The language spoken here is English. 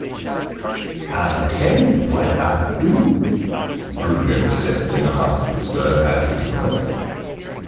"I'll tell you what I'll do," Bruno said in a half whisper, as we worked.